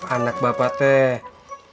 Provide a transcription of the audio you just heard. anak bapak tukum